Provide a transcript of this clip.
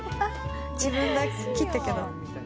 自分が切ったけど。